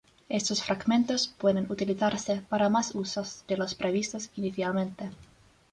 Estos fragmentos pueden utilizarse para más usos de los previstos inicialmente.